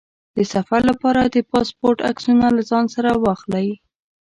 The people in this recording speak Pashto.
د سفر لپاره د پاسپورټ عکسونه له ځان سره واخلئ.